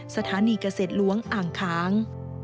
สถานีเกษตรล้วงอ่างค้าง